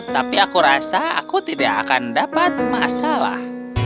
tapi aku rasa aku tidak akan dapat masalah